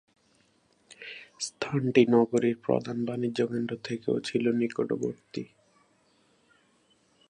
স্থানটি নগরীর প্রধান বাণিজ্যকেন্দ্র থেকেও ছিল নিকটবর্তী।